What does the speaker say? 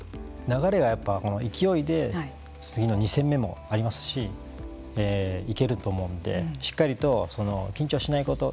流れがやっぱ勢いで次の２戦目もありますし行けると思うのでしっかりと緊張しないこと。